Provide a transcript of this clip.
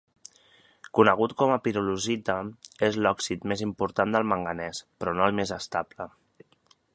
Conegut com a pirolusita, és l'òxid més important del manganès, però no el més estable.